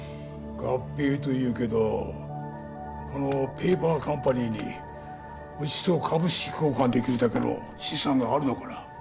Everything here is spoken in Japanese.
合併と言うけどこのペーパーカンパニーにうちと株式交換できるだけの資産があるのかな？